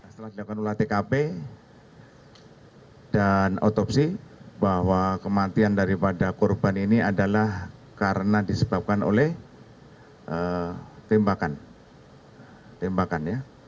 setelah dilakukan olah tkp dan otopsi bahwa kematian daripada korban ini adalah karena disebabkan oleh tembakan